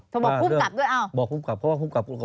โทรบอกคุมกลับด้วย